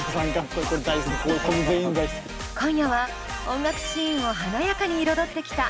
今夜は音楽シーンを華やかに彩ってきた☆